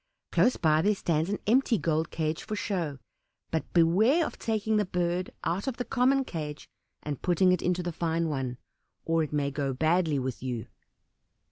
Close by, there stands an empty gold cage for show, but beware of taking the bird out of the common cage and putting it into the fine one, or it may go badly with you."